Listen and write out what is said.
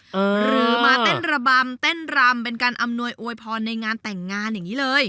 หรือมาเต้นระบำเต้นรำเป็นการอำนวยอวยพรในงานแต่งงานอย่างนี้เลย